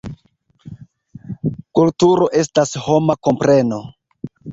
Kulturo estas homa kompreno.